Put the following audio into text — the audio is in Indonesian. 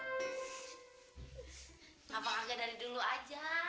ngapa kaget dari dulu aja